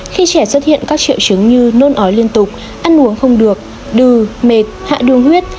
khi trẻ xuất hiện các triệu chứng như nôn ói liên tục ăn uống không được đừ mệt hạ đường huyết